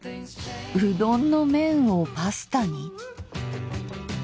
うどんの麺をパスタに？